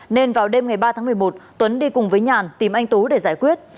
nên vào đêm ngày ba tháng một mươi một tuấn đi cùng với nhàn tìm anh tú để giải quyết